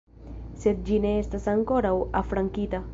Sed ĝi ne estas ankoraŭ afrankita.